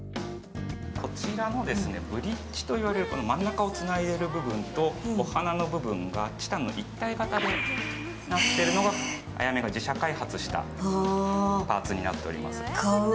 こちらもブリッジと呼ばれる真ん中をつないでいる部分とお鼻の部分がチタンの一体型になっているのが、ａｙａｍｅの自社開発したパーツになっております。